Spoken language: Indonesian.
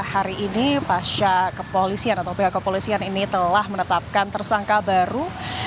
hari ini pasca kepolisian atau pihak kepolisian ini telah menetapkan tersangka baru